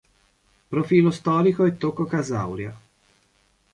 Profilo Storico" e "Tocco Casauria.